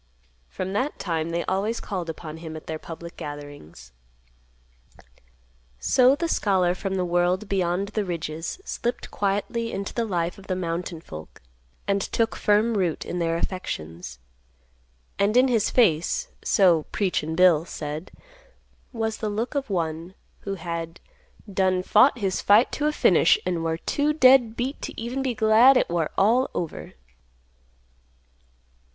From that time they always called upon him at their public gatherings. So the scholar from the world beyond the ridges slipped quietly into the life of the mountain folk, and took firm root in their affections. And in his face, so "Preachin' Bill" said, was the look of one who had "done fought his fight to a finish, an' war too dead beat t' even be glad it war all over."